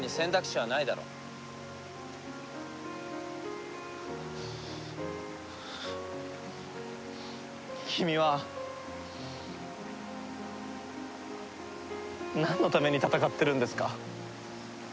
君はなんのために戦ってるんですか？